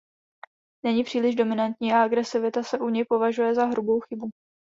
Není příliš dominantní a agresivita se u něj považuje za hrubou chybu.